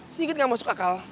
seinget gak masuk akal